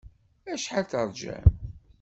Acḥal terjam?